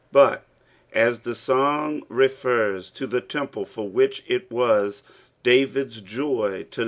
Bat as ihe tong rffers to the temple, for ahich it waa Davids jog to